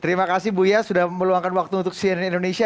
terima kasih buya sudah meluangkan waktu untuk cnn indonesia